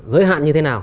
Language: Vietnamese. giới hạn như thế nào